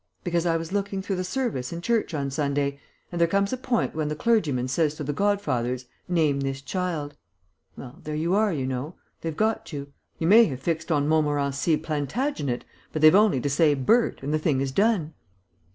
Because I was looking through the service in church on Sunday, and there comes a point when the clergyman says to the godfathers, 'Name this child.' Well, there you are, you know. They've got you. You may have fixed on Montmorency Plantagenet, but they've only to say 'Bert,' and the thing is done."